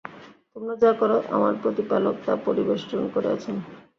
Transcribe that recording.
তোমরা যা কর আমার প্রতিপালক তা পরিবেষ্টন করে আছেন।